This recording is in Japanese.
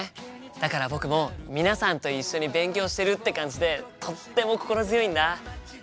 だから僕も皆さんと一緒に勉強してるって感じでとっても心強いんだ。